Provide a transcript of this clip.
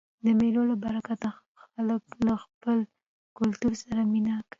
د مېلو له برکته خلک له خپل کلتور سره مینه کوي.